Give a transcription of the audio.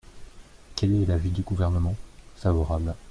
Quel est l’avis du Gouvernement ? Favorable.